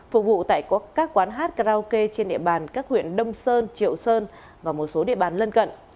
phục vụ tại các quán hát karaoke trên địa bàn các huyện đông sơn triệu sơn và một số địa bàn lân cận